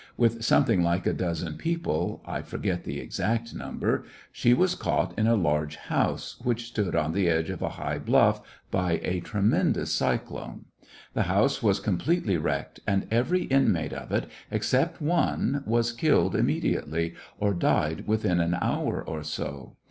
With something like a dozen people^ I forget the exact number, she was caught in a large house, which stood on the edge of a high bluffy by a tremendous cyclone. The house was completely wrecked^ and every in mate of it except one was killed immediately or died within an hour or so.